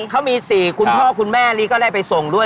เขามี๔คุณพ่อคุณแม่นี่ก็ได้ไปส่งด้วย